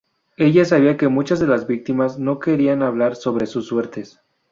Ella sabía que muchas de las víctimas no querían hablar sobre sus suertes.